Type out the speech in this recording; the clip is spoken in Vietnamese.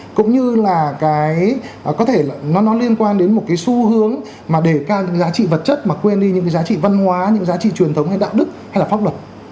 cũng như là cái có thể nó liên quan đến một cái xu hướng mà đề cao những giá trị vật chất mà quên đi những cái giá trị văn hóa những giá trị truyền thống hay đạo đức hay là pháp luật